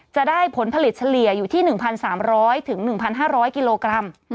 จะได้ผลผลิตเฉลี่ยอยู่ที่๑๓๐๐๑๕๐๐กิโลกรัม